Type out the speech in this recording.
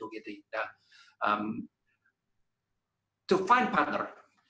untuk menemukan partner